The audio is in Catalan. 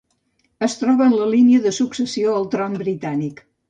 Es troba en la línia de successió al tron britànic.